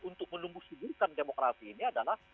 untuk menumbuh sidirkan demokrasi ini adalah